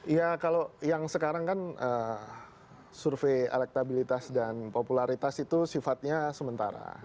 ya kalau yang sekarang kan survei elektabilitas dan popularitas itu sifatnya sementara